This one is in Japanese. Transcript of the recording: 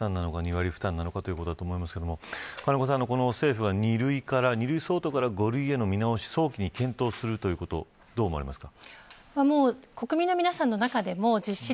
２割負担なのかということだと思いますが政府は２類相当から５類への見直しを早期に検討するということどう思われますか。